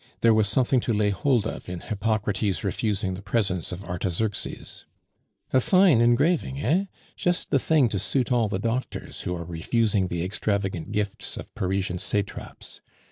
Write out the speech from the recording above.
There was something to lay hold of in Hippocrates refusing the Presents of Artaxerxes. A fine engraving, eh? Just the thing to suit all the doctors, who are refusing the extravagant gifts of Parisian satraps.